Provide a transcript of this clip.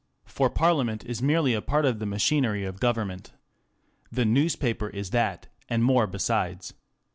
For Parliament is merely a part of the machinery of government. The newspaper is that, and more besides.